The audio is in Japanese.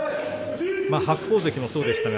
白鵬関もそうでしたか？